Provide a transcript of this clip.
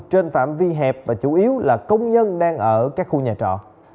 trên phạm vi hẹp và chủ yếu là công nhân đang ở các khu nhà trọ